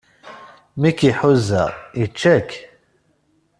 Mi k-iḥuza, ičča-k.